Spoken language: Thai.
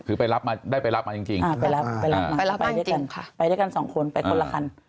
คือได้ไปรับมาจริงค่ะไปรับมาไปด้วยกัน๒คนไปคนละคัน